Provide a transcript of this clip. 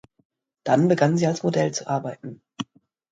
Dann begann sie als Model zu arbeiten.